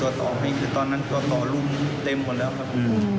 เพราะยังคือตอนนั้นตัวต่อรุ่มเต็มกว่าแล้วครับ